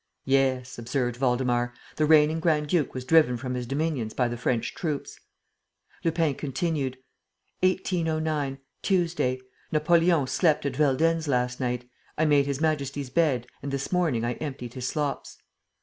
"Yes," observed Waldemar, "the reigning grand duke was driven from his dominions by the French troops." Lupin continued: "1809. Tuesday. Napoleon slept at Veldenz last night. I made His Majesty's bed and this morning I emptied his slops."